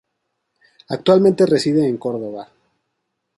Actualmente reside en Córdoba.